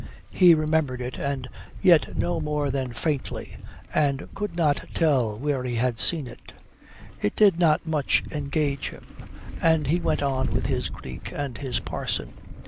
He remembered it and yet no more than faintly, and could not tell where he had seen it. It did not much engage him, and he went on with his Greek and his parson.